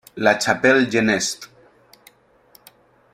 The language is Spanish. La Chapelle-Geneste